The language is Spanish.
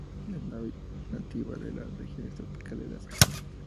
Es nativa de las regiones tropicales de África.